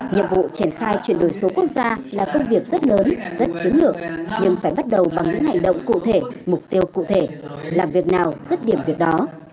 nhiệm vụ triển khai chuyển đổi số quốc gia là công việc rất lớn rất chiến lược nhưng phải bắt đầu bằng những hành động cụ thể mục tiêu cụ thể làm việc nào rất điểm việc đó